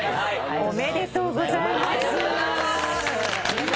ありがとうございます！